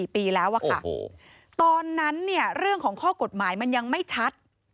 ปีแล้วอะค่ะตอนนั้นเนี่ยเรื่องของข้อกฎหมายมันยังไม่ชัด